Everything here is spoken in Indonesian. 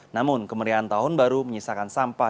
namun kemeriahan tahun baru menyisakan sampah